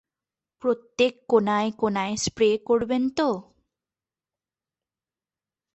প্রত্যেক কোণায় কোণায় স্প্রে করবেন তো?